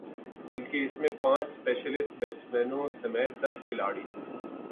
بلکہ اس میں پانچ اسپیشلسٹ بیٹسمینوں سمیت دس کھلاڑی